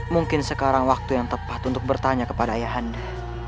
mungkin sekarang waktu yang tepat untuk bertanya kepada ayah anda